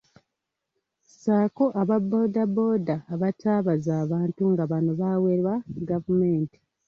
Sako aba boda boda abasaabaza abantu nga bano bawerwa gavumenti.